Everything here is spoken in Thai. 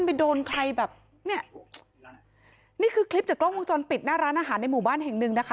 ไปโดนใครแบบเนี้ยนี่คือคลิปจากกล้องวงจรปิดหน้าร้านอาหารในหมู่บ้านแห่งหนึ่งนะคะ